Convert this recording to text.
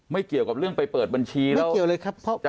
ไม่เกี่ยวกับเรื่องไปเปิดบัญชีแล้ว